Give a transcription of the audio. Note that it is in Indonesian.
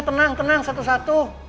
tenang tenang satu satu